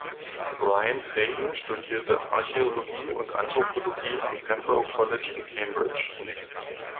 Brian Fagan studierte Archäologie und Anthropologie am Pembroke College in Cambridge.